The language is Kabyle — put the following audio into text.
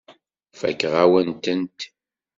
Fakeɣ-awen-tent.